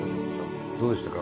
どうでしたか？